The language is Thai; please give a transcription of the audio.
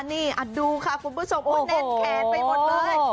นี่ดูค่ะคุณผู้ชมแน่นแขนไปหมดเลย